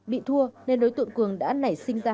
bị thua nên đối tượng cường đã nảy sinh ra